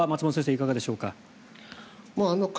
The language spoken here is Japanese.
いかがでしょうか？